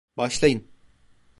Başlayın.